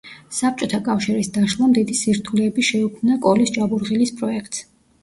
საბჭოთა კავშირის დაშლამ დიდი სირთულეები შეუქმნა კოლის ჭაბურღილის პროექტს.